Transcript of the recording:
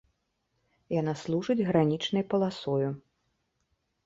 Яна служыць гранічнай паласою.